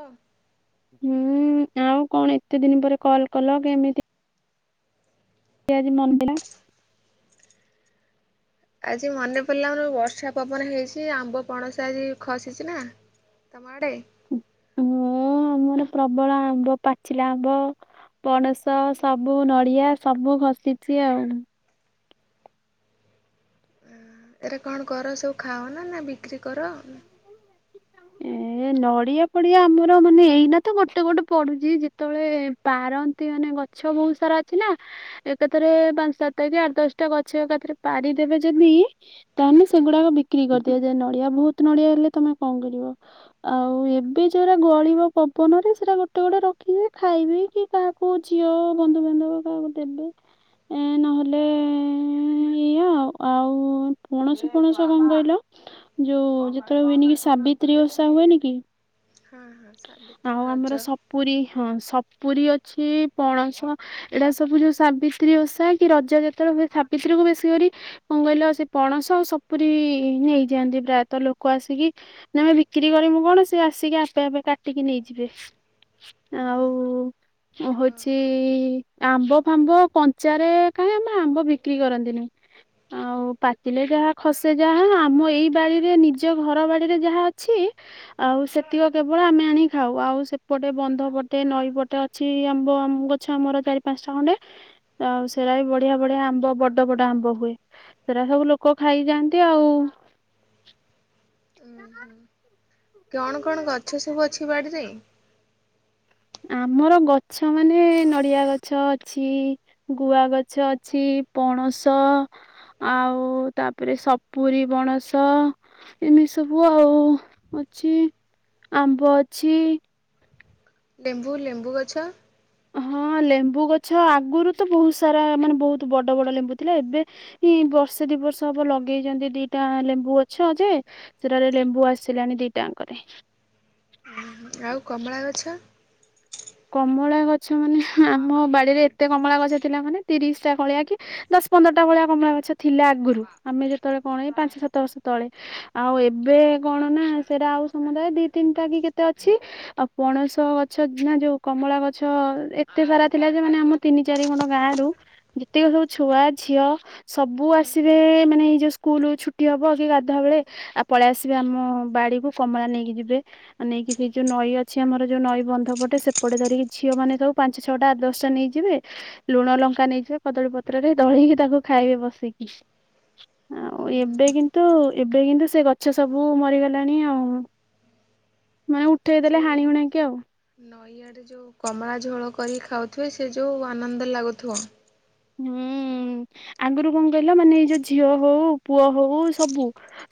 ହଁ। ହୁଁ ଆଉ କଣ, ଏତେ ଦିନ ପରେ କଲ କଲ କେମିତି। ଆଜି ମନ ପିଇଲା। ଆଜି ମନେ ପଡିଲା ହଁ ବର୍ଷା ପବନ ହେଇଛି ଆମ୍ବ, ପଣସ ଆଜି ଖସିଛି ନା। ତମ ଆଡେ। [inaudible] ମୋର ପ୍ରବଳ ଆମ୍ବ ପାଚିଲା ଆମ୍ବ ପଣସ ସବୁ ନଡ଼ିଆ ସବୁ ଖସିଛି ଆଉ। ଏରା କଣ କର ସବୁ ଖାଅ ନା ନା ବିକ୍ରି କର। [inaudible] ନଡ଼ିଆ ପଡିଆ ଆମର ମାନେ ଏଇନା ତ ଗୋଟେ ଗୋଟେ ପଡୁଛି ଯେତେବେଳେ ପାରନ୍ତି ମାନେ ଗଛ ଅ ବହୁତୁ ସାର ଅଛି ନା ଏକାଥରେ ପାଞ୍ଚ ସାତଟା କି ଆଠ ଦଶଟା ଗଛ ଏକାଥରେ ପାରିଦେବେ ଯଦି ତମେ ସେଗୁଡାକ ବିକ୍ରି କରିଦିଆ ଯାଏ ଯେ ନଡିଆ ବହୁତ ନଡିଆ ହେଲେ ତମେ କଣ କରିବ। [inaudible] ଆଉ ଏବେ ଯୋଉରା ଗଳିବ ପବନରେ ସେଟା ଗୋଟେ ଗୋଟେ ରଖିବେ ଖାଇବେ କି କାହାକୁ ଝିଅ ବନ୍ଧୁବାନ୍ଧବ କାହାକୁ ଦେବେ। ଏ ନହେଲେ ଏଇଆ ଆଉ ପଣସ ଫଣସ କଣ କହିଲ ଯୋଉ ଯେତେବେଳେ ହୁଏନି କି ସାବିତ୍ରୀ ଓଷା ହୁଏନି କି। ହଁ ହଁ ସାବିତ୍ରୀ ରଜ ପୁରୀ ହଁ ସପୁରୀ ଅଛି ପଣସ ଏଇଟା ସବୁ ଯୋଉ ସାବିତ୍ରୀ ଓଷା କି ରଜ ଯେତେବେଳେ ହୁଏ ସାବିତ୍ରୀ କ ବେଶୀ କରି କଣ କହିଲ ସେ ପଣସ ସପୁରି ନେଇଯାଆନ୍ତି ପ୍ରାୟତଃ ଲୋକ ଆସିକି। ଆମେ ବିକ୍ରି କରିବୁ କଣ ସେ ଆସିକି ଆପେ ଆପେ କାଟିକି ନେଇଯିବେ। ଆଉ ଓହୋ ହଉଛି। ଆମ୍ବ ଫାମ୍ବ କଞ୍ଚା ରେ କାହିଁ ଆମେ ଆମ୍ବ ବିକ୍ରି କରନ୍ତିନି। ଆଉ ପାଚିଲେ ଯାହା ଖସେ ଯାହା ଆମ ଏଇ ବାଡିରେ ନିଜ ଘର ବାଡିରେ ଯାହା ଅଛି ଆଉ ସେତିକ କେବଳ ଆମେ ଆଣି ଖାଉ ଆଉ ସେପଟେ ବନ୍ଧ ପଟେ ନଈ ପଟେ ଅଛି ଆମ୍ବ ଗଛ ଆମର ଚାରି ପାଞ୍ଚଟା ଖଣ୍ଡେ ଆଉ ସେରା ବି ବଢିଆ ବଢିଆ ଆମ୍ବ ବଡ ବଡ ଆମ୍ବ ହୁଏ ସେରା ସବୁ ଲୋକ ଖାଇଯାଆନ୍ତି ଆଉ। ହଁ ହୁଁ କଣ କଣ ଗଛ ସବୁ ଅଛି ବାଡ଼ିରେ ଆମର ଗଛ ମାନେ ନଡ଼ିଆ ଗଛ ଅଛି ଗୁଆ ଗଛ ଅଛି ପଣସ ଆଉ ତାପରେ ସପୁରୀ ପଣସ ଏମିତି ସବୁ ଆଉ ଅଛି ଆମ୍ବ ଅଛି। ଲେମ୍ବୁ ଲେମ୍ବୁ ଗଛ। ହଁ ଲେମ୍ବୁ ଗଛ ଆଗରୁ ତ ବହୁତ ସାରା ମାନେ ବହୁତ ବଡ଼ ବଡ଼ ଲେମ୍ବୁ ଥିଲା ଏବେ। ଏଇଁ ବର୍ଷେ ଦି ବର୍ଷ ହବ ଲଗେଇଛନ୍ତି ଦିଟା ଲେମ୍ବୁ ଗଛ ଯେ ସେରାରେ ଲେମ୍ବୁ ଆସିଲାଣି ଦିଟାଙ୍କରେ। ଆଉ କମଳା ଗଛ? କମଳା ଗଛ ମାନେ ଆମ ବାଡିରେ ଏତେ କମଳା ଗଛ ଥିଲା ମାନେ ତିରିଶ ଟା ଭଳିଆ କି ଦଶ ପନ୍ଦରଟା ଭଳିଆ କମଳା ଗଛ ଥିଲା ଆଗରୁ ଆମେ ଯେତେବେଳେ କଣ ପାଞ୍ଚ ସାତ ବର୍ଷ ତଳେ, ଆଉ ଏବେ କଣ ନା ସେରା ଆଉ ସମୁଦାୟ ଦି ତିନିଟା କି କେତେ ଅଛି ଆଉ ପଣସ ଗଛ ଅଛି ନା ଯୋଉ କମଳା ଗଛ ଏତେ ସାରା ଥିଲା ଯେ ମାନେ ଆମ ତିନି ଚାରି ଖଣ୍ଡ ଗାଁ ରୁ ଯେତିକି ସବୁ ଛୁଆ ଝିଅ, ସବୁ ହୁଁ ଆସିବେ ମାନେ ଏଇ ଯୋଉ ସ୍କୁଲ ଛୁଟି ହବ କି ଗାଧୁଆ ବେଳେ ଆଉ ପଳେଇ ଆସିବେ ଆମ ବାଡିକୁ କମଳା ନେଇକି ଯିବେ। ଆଉ ନେଇକି ସେଇ ଯୋଉ ନଈ ଅଛି ଆମର ଯୋଉ ନଈ ବନ୍ଧ ପଟେ ସେ ଏପଟେ ଧରିକି ଝିଅ ମାନେ ସବୁ ପାଞ୍ଚ ଛଅଟା ଆଠ ଦଶଟା ନେଇଯିବେ ଲୁଣ ଲଙ୍କା ନେଇଯିବେ କଦଳୀ ପତ୍ରରେ ଦଳିକି ତାକୁ ଖାଇବେ ବସିକି। ଆଉ ଏବେ କିନ୍ତୁ ଏବେ କିନ୍ତୁ ସେ ଗଛ ସବୁ ମରିଗଲାଣି ଆଉ। ମାନେ ସେ ଉଠେଇ ଦେଲେ ଯଉ ହାଣି ହୁଣାକି ଆଉ ନଈଆଡ଼େ ଯୋଉ କମଳା ଝୋଳ କରି ଖାଉଥିବେ ସେ ଯୋଉ ଆନନ୍ଦ ଲାଗୁଥିବ। ହୁଁ ଆଗରୁ କଣ କହିଲ ମାନେ ଏଇ ଯୋଉ ଝିଅ ହଉ ପୁଅ ହଉ ସବୁ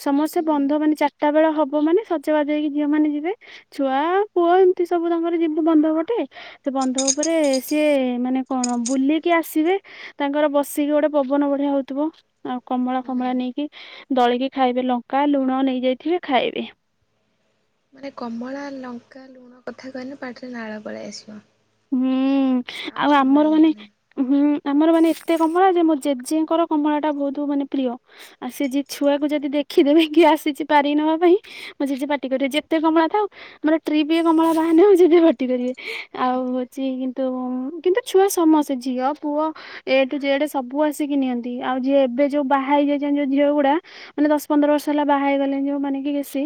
ସମସ୍ତେ ହୁଁ ବନ୍ଧ ମାନେ ଚାରିଟା ବେଳ ହବ ମାନେ ସଜବାଜ ହେଇକି ଝିଅ ମାନେ ଯିବେ ଛୁଆ, ପୁଅ ଏମତି ସବୁ ତାଙ୍କର ଯିବୁ ବନ୍ଧ ପଟେ, ସେ ବନ୍ଧ ଉପରେ ସିଏ ମାନେ କଣ ବୁଲିକି ଆସିବେ ତାଙ୍କର ବସିକି ଗୋଟେ ପବନ ବଢିଆ ହଉଥିବ ଆଉ କମଳା ହୁଁ ଫମଳା ନେଇକି ଦଳିକି ଖାଇବେ ଲଙ୍କା ଲୁଣ ନେଇଯାଇଥିବେ ଖାଇବେ। ମାନେ କମଳା, ଲଙ୍କା, ଲୁଣ କଥା କହିଲେ ପାଟିରେ ନାଳ ପଳେଇ ଆସିବ। ହୁଁ ଆଉ ସମ୍ଭାଳି ଆମର ମାନେ ହବନି ହୁଁ। ଆମର ମାନେ ଏତେ କମଳା ଯେ ମୋ ଜେଜେଙ୍କର କମଳା ଟା ବହୁତ ମାନେ ପ୍ରିୟ। ଆଉ ସେ ଯିଏ ଛୁଆକୁ ଯଦି ଦେଖିଦେବେ କି ଆସିଛି ପାରି ନବା ପାଇଁ ମୁଁ ଜେଜେ ପାଟି କରିବେ ଯେତେ କମଳା ଥାଉ ଆମର ଟ୍ରିପିଏ କମଳା ବାହାରିନେ ମୋ ଜେଜେ ପାଟି କରିବେ। ଆଉ ହେଉଚି କିନ୍ତୁ, କିନ୍ତୁ ଛୁଆ ସମସ୍ତେ ଝିଅ, ପୁଅ ଏ ଠୁ ଯେଡ଼େ ସବୁ ଆସିକି ନିଅନ୍ତି। ଆଉ ଯିଏ ଏବେ ଯୋଉ ବାହା ହେଇଯାଇଚନ୍ତି ଯୋଉ ଝିଅ ଗୁଡା ମାନେ ଦଶ ପନ୍ଦର ବର୍ଷ ହେଲା ବାହା ହେଇଗଲେଣି ଯୋଉମାନେ କି ବେଶୀ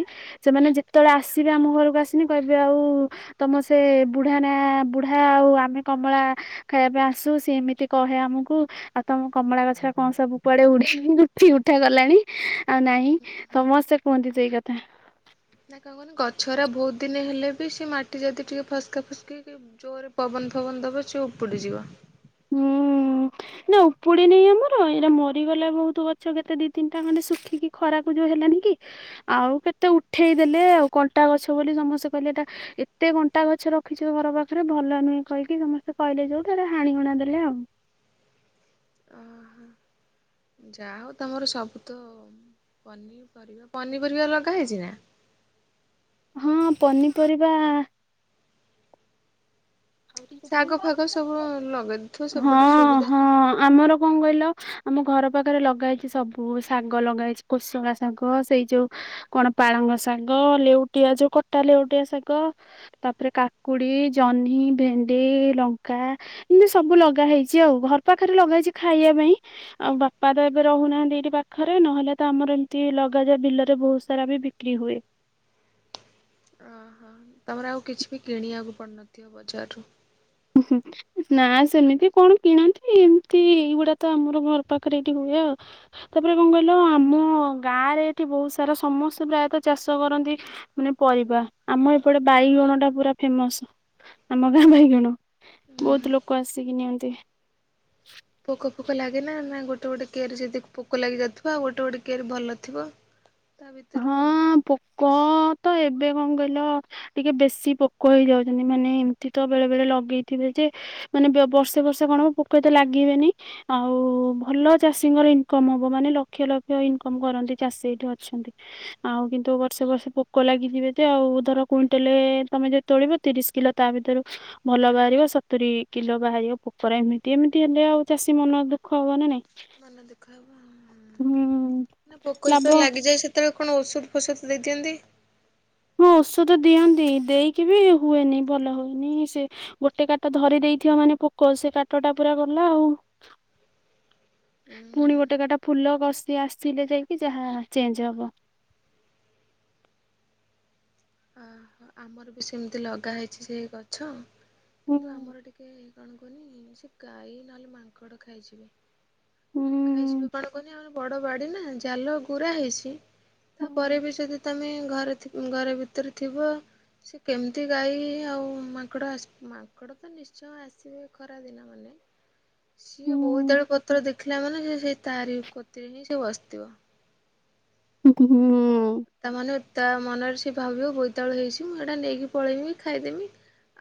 ସେମାନେ ଯେତେବେଳେ ଆସିବେ ଆମ ଘରକୁ ଆସିନେ କହିବେ ଆଉ ତମ ସେ ବୁଢା ନା ବୁଢା ଆଉ ଆମେ କମଳା ଖାଇବା ପାଇଁ ଆସୁ ସେ ଏମିତି କହେ ଆମକୁ ଆଉ ତମ କମଳା ଗଛରେ କଣ ସବୁ କୁଆଡେ ଉଡେଇ ଉଠି ଉଠା ଗଲାଣି, ଆଉ ନାଇଁ ସମସ୍ତେ କୁହନ୍ତି ସେଇ କଥା। ନା କଣ କହନି ଗଛରା ବହୁତ ଦିନ ହେଲେ ବି ସେ ମାଟି ଯଦି ଟିକେ ଫସ୍କା ଫସ୍କି ଜୋରେ ପବନ ଫବନ ଦବ ସେ ଉପୁଡି ଯିବ। ହୁଁ। ନା ଉପୁଡି ନି ଆମର ଏଇଟା ମରିଗଲା ବହୁତ ଗଛ କେତେ ଦି ତିନିଟା ଖଣ୍ଡେ ଶୁଖିକି ଖରାକୁ ଯୋଉ ହେଲାନି କି ଆଉ କେତେ ଉଠେଇଦେଲେ ଆଉ କଣ୍ଟା ଗଛ ବୋଲି ସମସ୍ତେ କହିଲେ ଏଟା ଏତେ କଣ୍ଟା ଗଛ ରଖିଚ ଘର ପାଖରେ ଭଲ ନୁହେଁ କହିକି ସମସ୍ତେ କହିଲେ ଯେମିତି ତାର ହାଣିହୁଣା ଦେଲେ ଆଉ। ଓହୋ ଯାହା ହଉ ତମର ସବୁ ତ ପନିପରିବା ପନିପରିବା ଲଗା ହେଇଛି ନା? ହଁ ପନିପରିବା ଶାଗ ଫାଗ ସବୁ ଲଗେଇଥିବ ସବୁଠୁ ହଁ ହଁ ସୁବିଧା ନା। ହଁ। ଆମର କଣ କହିଲ ଆମ ଘର ପାଖରେ ଲଗା ହେଇଚି ସବୁ ଶାଗ ଲଗା ହେଇଛି କୋସୋଳା ଶାଗ ସେଇ ଯୋଉ କଣ ପାଳଙ୍ଗ ଶାଗ ଲେଉଟିଆ ଯୋଉ କଟା ଲେଉଟିଆ ଶାଗ ତାପରେ କାକୁଡି ଜହ୍ନି ଭେଣ୍ଡି ଲଙ୍କା ଏମିତି ସବୁ ଲଗା ହେଇଚି ଆଉ ଘର ପାଖରେ ଲଗା ହେଇଚି ଖାଇବା ପାଇଁ ଆଉ ବାପା ରେ ଏବେ ରହୁନାହାନ୍ତି ଏଇଠି ପାଖରେ ନହେଲେ ତ ଆମର ଏମିତି ଲଗାଯାଏ ବିଲରେ ବହୁତ ସାରା ବି କି ହୁଏ। ଅ ହ। ତମର ଆଉ କିଛି ବି କିଣିବାକୁ ପଡନଥିବ ବଜାରରୁୁ। ଉଁ ହୁଁ। ନା ସେମିତି କଣ କିଣନ୍ତି ଏମତି ଏଇଗୁଡା ତ ଆମର ଘର ପାଖରେ ଏଠି ହୁଏ ଆଉ। ତାପରେ କଣ କହିଲ ଆମ ଗାଁ ରେ ଏଠି ବହୁତ ସାରା ସମସ୍ତେ ପ୍ରାୟତ ଚାଷ କରନ୍ତି ମାନେ ପରିବା ଆମ ଏପଟେ ବାଇଗଣ ଟା ପୁରା ଫେମସ ଆମ ଗାଁ ବାଇଗଣ। ଉହୁଁ। ବହୁତ ଲୋକ ଆସିକି ନିଅନ୍ତି। ପୋକ ଫୋକ ଲାଗେ ନା ନା ଗୋଟେ ଗୋଟେ କିଆରି ଯଦି ପୋକ ଲାଗି ଯାଉିବ ଆଉ ଗୋଟେ ଗୋଟେ କିଆରି ଭଲଥିବ। [inaudible] ହଁ ପୋକ ତ ଏବେ କଣ କହିଲ ଟିକେ ବେଶୀ ପୋକ ହେଇଯାଉଚନ୍ତି ମାନେ ଏମିତି ତ ବେଳେ ବେଳେ ଲଗେଇଥିବେ ଯେ ମାନେ ବେ ବର୍ଷେ ବର୍ଷେ କଣ ହବ ପୋକ ତ ଲାଗିବେନି ଆଉ ଭଲ ଚାଷୀଙ୍କର ଇନକମ ହବ ମାନେ ଲକ୍ଷ ଲକ୍ଷ ଇନକମ କରନ୍ତି ଚାଷୀ ଏଇଠି ଅଛନ୍ତି। ଆଉ କିନ୍ତୁ ବର୍ଷେ ବର୍ଷେ ପୋକ ଲାଗିଥିବେ ଯେ ଆଉ ଧର କୁଇଣ୍ଟାଲ ତମେ ଯେ ତୋଳିବ ତିରିଶ କିଲୋ ତା ଭିତରୁ ଭଲ ବାହାରିବ ସତୁରି କିଲୋ ବାହାରିବ ପୋକରା ଏମିତି ଏମିତି ହେଲେ ଆଉ ଚାଷୀ ମନ ଦୁଃଖ ହବ ନା ନାଇଁ। ମନ ଦୁଖ ହବ ହୁଁ। ନା ପୋକ ଲାଭ ଯେତେବେଳେ ଲାଗିଯାଏ ସେ ତବେଳେ କଣ ଓଷଧ ଫୋଷଧ ଦେଇଦିଅନ୍ତି? ହଁ ଓଷଧ ଦିଅନ୍ତି ଦେଇକି ବି ହୁଏନି ଭଲ ହୁଏନି ସେ ଗୋଟେ କାଟ ଧରି ଦେଇଥିବ ମାନେ ପୋକ ସେ କାଟ ଟା ପୁରା ଗଲା ଆଉ। [inaudible] ପୁଣି ଗୋଟେ କାଟା ଫୁଲ କଷି ଆସିଥିଲେ ଯାଇକି ଯାହା ଚେଞ୍ଜ ହବ। ଆମର ବି ସେମିତି ଲଗା ହେଇଚି ସେଇ ଗଛ ହୁଁ। କିନ୍ତୁ ଆମର ଟିକେ କଣ କହୁନି ସେ ଗାଈ ନହେଲେ ମାଙ୍କଡ ଖାଇଯିବେ ହୁଁ। ଖାଇଯିବେ କଣ କହୁନି ଆ ବଡ଼ ବାଡ଼ିନା ଜାଲ ଗୁୁରା ହେଇଚି ତାପରେ ହୁଁ। ବି ଯଦି ତମେ ଘରେ ଥି ଘରେ ଭି ତରେ ଥିବ ସେ କେମିତି ଗାଈ ଆଉ ମାଙ୍କଡ଼ ଆସ ମାଙ୍କଡ଼ ତ ନିଶ୍ଚୟ ତ ଆସିବେ ଖରା ଦିନ ମାନେ। ହୁଁ ସିଏ ବୋଇତାଳୁ ପତ୍ର ଦେଖିଲା ମାନେ ସେ ସେଇ ତାରି କତିରେ ହିଁ ସେ ବସିଥିବ। ହୁଁ ତାମାନେ ତା ମନରେ ସିଏ ଭାବିବ ବୋଇତାଳୁ ହେଇଛି ମୁଁ ଏଇଟା ନେଇକି ପଳେଇମି ଖାଇଦେମି।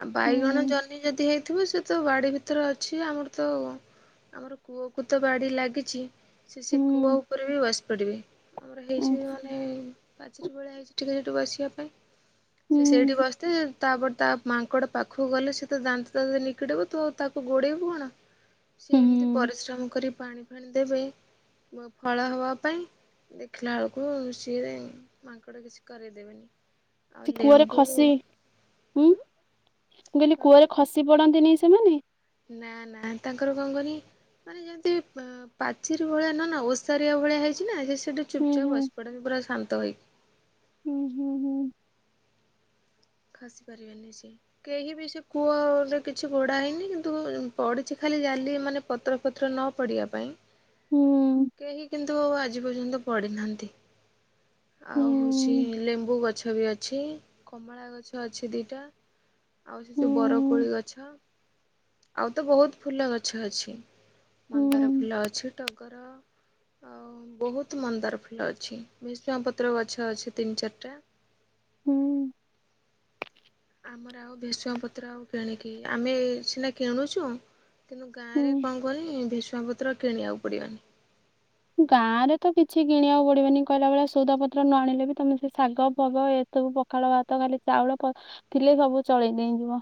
ଆଉ ହୁଁ ବାଇଗଣ ଜହ୍ନି ଯଦି ହେଇଥିବ ସେ ତ ବାଡ଼ି ଭିତରେ ଅଛି ଆମର ତ ଆମର କୂଅକୁ ତ ବାଡ଼ି ଲାଗିଛି। ସେ ସେ କୂଅ ହୁଁ। ଉପରେ ବି ବସି ପଡ଼ିବେ ଆମର ହେଇଛିିବି ମାନେ ପାଚେରୀ ଭଳିଆ ହେଇଛି ଟିକେ ସେଇଠି ବସିବା ପାଇଁ ସେ ହୁଁ ସେଇଠି ବସିଥିବେ ତାପରେ ତା ମାଙ୍କଡ ପାଖକୁ ଗଲେ ସେ ତ ଦାନ୍ତ ରେ ନିକିଡିବ ତୁ ଆଉ ତାକୁ ଗୋଡ଼େଇବୁ କଣ? ସେ ଏମିତି ହୁଁ ପରିଶ୍ରମ କରି ପାଣି ଆଣିଦେବେ ଫଳ ହେବା ପାଇଁ ଦେଖିଲା ବେଳକୁ ସିଏ ମାଙ୍କଡ କିଛି କରେଇ ଦେବେନି। ସେ କୂଅରେ ଖସି ଉୁଁ ମୁଁ କହିଲି କଣ କରେ କୂଅରେ ଖସି ପଡନ୍ତିନି ସେମାନେ? ନା ନା ତାଙ୍କର କଣ କହନି। ମାନେ ଯେମିତି ପା ପାଚିର ଭଳିଆ ନା ନା ଓଷାରିଆ ଭଳିଆ ହେଇଛି ନା ସେ ସେଟି ହୁଁ ଚୁପ୍ଚାପ୍ ହୁଁ ବସି ପଡନ୍ତି ପୁରା ଶାନ୍ତ ହୋଇକି। ହୁଁ ହୁଁ ହୁଁ। ଖସି ପାରିବେ ନିି ସ୍ ଚି କେହି ବି ସେ କୂଅରେ କିଛି ଘୋଡା ହେଇନି କିନ୍ତୁ ପଡିଛି ଖାଲି ଜାଲି ମାନେ ପତ୍ରଫତ୍ର ନ ପଡିବା ପାଇଁ। ହୁଁ। କେହି କିନ୍ତୁ ଆଜି ପର୍ଯ୍ୟନ୍ତ ପଡିିନାହାନ୍ତି। ହୁଁ ଆଉ ହଉଛି ଲେମ୍ବୁ ଗଛ ବି ଅଛି କମଳା ଗଛ ଅଛି ଦିଟା। ଆଉ ସେ ହୁଁ ହୁଁ ଯୋଉ ବରକୋଳି ଗଛ ଆଉ ତ ବୋହୁତ୍ ଫୁଲ ଗଛ ଅଛି। ହୁଁ ମନ୍ଦାର ହୁଁ ଫୁଲ ଅଛି ଟଗର ଆଉ ବୋହୁତ୍ ମନ୍ଦାର ଫୁଲ ଅଛି ବେଶ୍ ଷୁଙ୍ଗା ପତ୍ର ଗଛ ଅଛି ତିନି ଚାର୍ଟା ହୁଁ। ଆମର ଆଉ ଭେଷୁଆ ପତ୍ର ଆଉ କିଣିକି ଆମେ ସିନା କିଣୁଛୁ। କିନ୍ତୁ ଗାଁ ରେ ହୁଁ କଣ କୁହନି ଭେଷୁଙ୍ଗା ପତ୍ର କିଣିବାକୁ ପଡିବନି। ଗାଁ ରେ ତ କିଛି କିଣିବାକୁ ପଡିବନି କହିଲା ବଳିଆ ସଉଦା ପତ୍ର ନ ଆଣିଲେ ବି ତମେ ସେ ଶାଗ ଫଗ ସବୁ ପଖାଳ ଭାତ ଖାଲି ଚାଉଳ ଥିଲେ ସବୁ ଚଳେଇ ନେଇଯିବ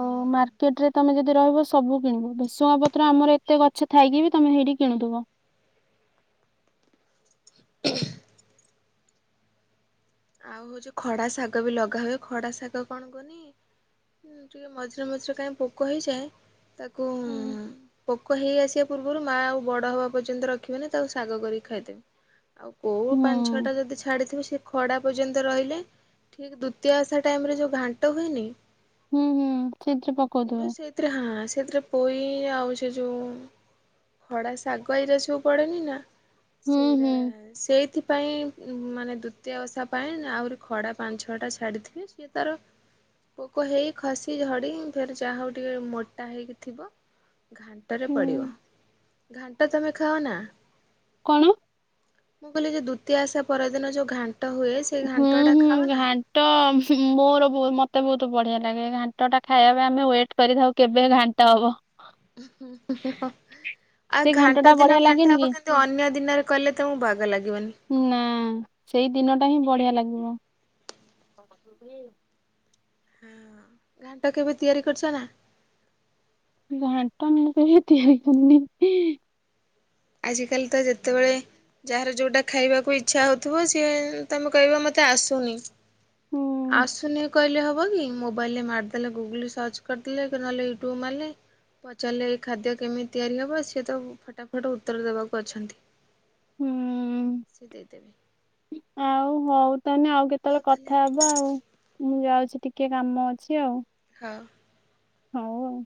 ହୁଁ। ମାର୍କେଟ ରେ ତମେ ଯଦି ରହିବ ସବୁ କିଣିବ ବେସୁଙ୍ଗା ପତ୍ର ଆମର ଏତେ ଗଛ ଥାଇକି ବି ତମେ ସେଇଠି କିଣୁଥିବ। ଆଉ ହଉଚି ଖଡା ଶାଗ ବି ଲଗା ହୁଏ ଖଡା ଶାଗ କଣ କୁହନି ଟିକେ ମଝିରେ ମଝିରେ କାହିଁ ପୋକ ହେଇଯାଏ ତାକୁ ହୁଁ ପୋକ ହେଇ ଆସିବା ପୂର୍ବରୁ ମାଆ ଆଉ ବଡ ହବା ପର୍ଯ୍ୟନ୍ତ ରଖିବେନି ତାକୁ ଶାଗ କରିକି ଖାଇଦେବେ। ଆଉ କୋଉ ହୁଁ ପାଞ୍ଚ ଛଅଟା ଯଦି ଛାଡିଥିବେ ସେ ଖଡ଼ା ପର୍ଯ୍ୟନ୍ତ ରହିଲେ ଠିକ ଦ୍ୱତୀୟା ଓଷା ଟାଇମରେ ଯେଉଁ ଘାଣ୍ଟ ହୁଏନି ହୁଁ ହୁଁ ସେଥିରେ ପକଉଥିବେ। ସେଥିରେ ହାଁ ସେଥିରେ ପୋଇ ଆଉ ସେ ଯୋଉ ଖଡ଼ା ଶାଗ ଏଇରା ସବୁ ପଡ଼େନି ନା। ହୁଁ ସେଇରା ହୁଁ ସେଇଥିପାଇଁ ମାନେ ଦ୍ୱ ତୀୟା ଓଷା ପାଇଁ ଆହୁରି ଖଡ଼ା ପାଞ୍ଚ ଛଅଟା ଛାଡ଼ିଥିବେ ସିଏ ତାର ପୋକ ହେଇ ଖସି ଝଡି ଫେର ଯାହା ହଉ ଟିକେ ମୋଟା ହେଇକି ଥିବ। ଘାଣ୍ଟରେ ପଡ଼ିବ ହୁଁ। ଘାଣ୍ଟ ତମେ ଖାଅ ନା? କଣ? ମୁଁ କହିଲି ଯେ ଦ୍ଵିତୀୟ ଓଷା ପରଦିନ ଯୋଉ ଘାଣ୍ଟ ହୁଏ ସେଇ ଘାଣ୍ଟ ଟା ଖାଅ ନା? ଣ୍ଟ ମୋର ମତେ ବହୁତ ବଢ଼ିଆ ଲାଗେ ଘାଣ୍ଟଟା ଖାଇବା ପାଇଁ ଆମେ ୱେଟ୍ କରିଥାଉ କେବେ ଘାଣ୍ଟ ହବ। ଆଉ ସେ ଘାଣ୍ଟ ଟା ଦିନ ବଢିଆ ଘାଣ୍ଟ ଲାଗେନି କି? ହବ କିନ୍ତୁ ଅନ୍ୟ ଦିନରେ କଲେ ତମକୁ ବାଗ ଲାଗିବନି। ନା ସେଇ ଦିନ ଟା ହିଁ ବଢିଆ ଲାଗିବ। ହଁ ଘାଣ୍ଟ କେବେ ତିଆରି କରିଛ ନା? ଘାଣ୍ଟ ମୁଁ କେବେ ତିଆରି କରନି। ଆଜିକାଲି ତ ଯେତେବେଳେ ଯାହାର ଯୋଉଟା ଖାଇବାକୁ ଇଚ୍ଛା ହଉଥିବ ସିଏ ତମେ କହିବ ମତେ ଆସୁନି। ହୁଁ ଆସୁନି କହିଲେ ହବ କି ମୋବାଇଲ ରେ ମାରିଦଲେ ଗୁଗୁଲ୍ ରେ ସଚ୍ କରିଦଲେ ନହେଲେ ୟୁଟ୍ୟୁବ୍ ମାର୍ଲେ ପଚାର୍ଲେ ଏଇ ଖାଦ୍ୟ କେମିତି ତିଆରି ହେବ ସିଏ ତ ଫଟାଫଟ୍ ଉ ଉତ୍ତର ଦେବାକୁ ଅଛନ୍ତି ହୁଁ ସେ ଦେଇଦେବେ। ଆଉ ହଉ ତାହେନେ ଆଉ କେତେଳେ ହଉ ତାହେଲେ କଥା ହେବା ଆଉ? ମୁଁ ଯାଉଛି ଟିକିଏ କାମ ଅଛି ଆଉ। ହଁ। ହଉ ଆଉ।